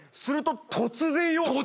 すると突然よ。